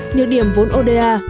những điểm vốn oda